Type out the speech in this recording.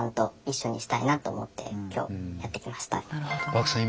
漠さん